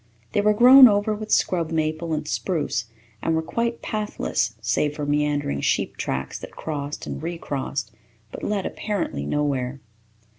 They were grown over with scrub maple and spruce, and were quite pathless save for meandering sheep tracks that crossed and recrossed, but led apparently nowhere.